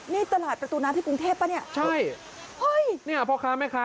นี่ตลาดประตูน้ำที่กรุงเทพปะเนี่ยใช่เฮ้ยเนี่ยพ่อค้าแม่ค้า